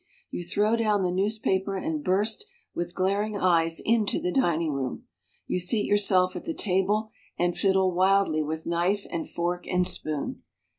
You throw down the newspaper and burst with glar ing eyes into the dining room. You seat yourself at the table and fiddle wildly with knife and fork and spoon.